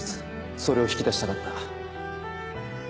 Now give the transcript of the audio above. それを引き出したかった。